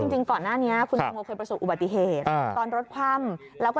จริงก่อนหน้านี้คุณตังโมเคยประสบอุบัติเหตุตอนรถคว่ำแล้วก็